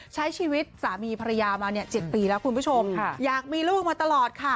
ใช้ชีวิตสามีภรรยามาเนี่ย๗ปีแล้วคุณผู้ชมอยากมีลูกมาตลอดค่ะ